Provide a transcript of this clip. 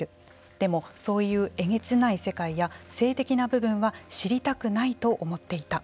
でも、そういうえげつない世界や性的な部分は知りたくないと思っていた。